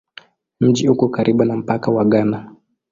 Mji uko karibu na mpaka wa Ghana.